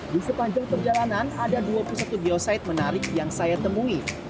di sepanjang perjalanan ada dua puluh satu geosite menarik yang saya temui